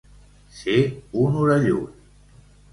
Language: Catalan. Ser un orellut.